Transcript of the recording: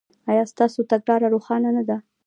ایا ستاسو تګلاره روښانه نه ده؟